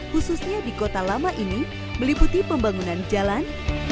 khususnya di kota lama ini meliputi pembangunan jalan